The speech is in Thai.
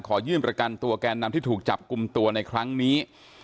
ขอยื่นประกันตัวแกนนำที่ถูกจับกลุ่มตัวในครั้งนี้